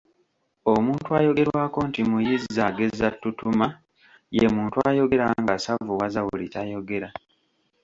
Omuntu ayogerwako nti Muyizzaagezza ttutuma ye muntu ayogera ng’asavuwaza buli kyayogera.